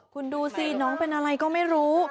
คุณดูสิน้องเป็นอะไรก็ไม่รู้